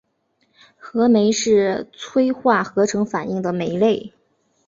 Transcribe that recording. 合酶是催化合成反应的酶类。